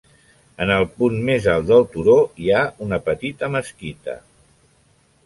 En el punt més alt del turó hi ha una petita mesquita.